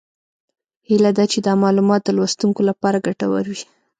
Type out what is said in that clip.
هیله ده چې دا معلومات د لوستونکو لپاره ګټور وي